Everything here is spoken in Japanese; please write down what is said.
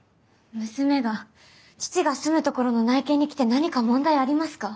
娘が父が住むところの内見に来て何か問題ありますか？